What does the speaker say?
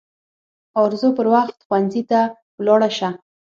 ارزو پر وخت ښوونځي ته ولاړه سه